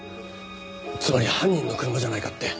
つまり犯人の車じゃないかって。